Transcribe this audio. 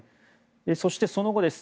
そして、その後です。